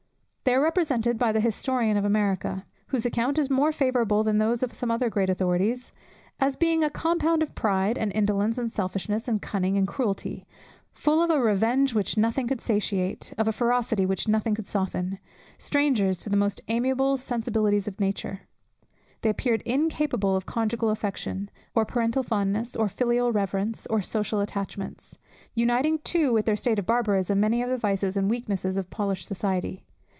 They are represented by the historian of America, whose account is more favourable than those of some other great authorities, as being a compound of pride, and indolence, and selfishness, and cunning, and cruelty; full of a revenge which nothing could satiate, of a ferocity which nothing could soften; strangers to the most amiable sensibilities of nature. They appeared incapable of conjugal affection, or parental fondness, or filial reverence, or social attachments; uniting too with their state of barbarism, many of the vices and weaknesses of polished society.